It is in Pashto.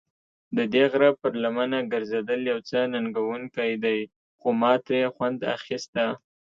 ددې غره پر لمنه ګرځېدل یو څه ننګوونکی دی، خو ما ترې خوند اخیسته.